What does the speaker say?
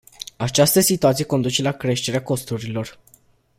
Această situație conduce la creșterea costurilor.